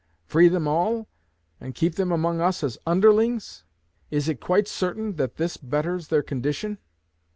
Free them all, and keep them among us as underlings? Is it quite certain that this betters their condition?